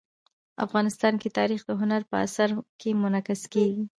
افغانستان کې تاریخ د هنر په اثار کې منعکس کېږي.